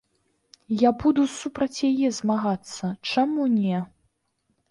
Я буду супраць яе змагацца, чаму не.